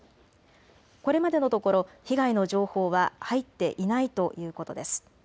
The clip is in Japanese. これまでのところ被害の情報は入っていないということです。